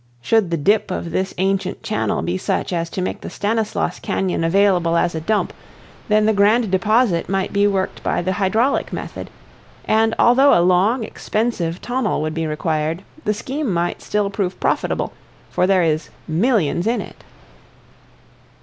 Should the dip of this ancient channel be such as to make the Stanislaus Cañon available as a dump, then the grand deposit might be worked by the hydraulic method, and although a long, expensive tunnel would be required, the scheme might still prove profitable, for there is "millions in it."